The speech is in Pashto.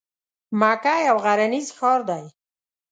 مکه یو غرنیز ښار دی.